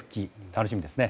楽しみですね。